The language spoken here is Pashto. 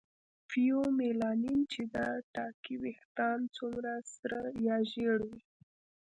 فیومیلانین چې دا ټاکي ویښتان څومره سره یا ژېړ وي.